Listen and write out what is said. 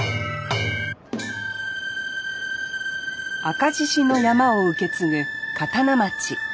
赤獅子の曳山を受け継ぐ刀町。